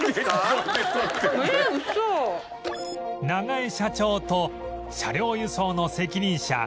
永江社長と車両輸送の責任者